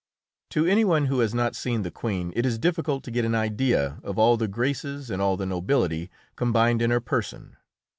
To any one who has not seen the Queen it is difficult to get an idea of all the graces and all the nobility combined in her person.